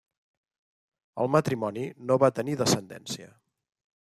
El matrimoni no va tenir descendència.